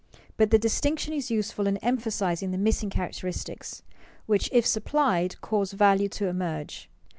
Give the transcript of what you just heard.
But the distinction is useful in emphasizing the missing characteristics, which if supplied, cause value to emerge.